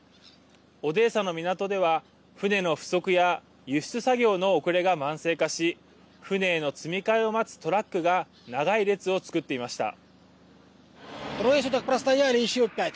オデーサの港では船の不足や輸出作業の遅れが慢性化し船への積み替えを待つトラックが長い列を作っていました。